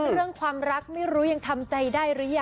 เรื่องความรักไม่รู้ยังทำใจได้หรือยัง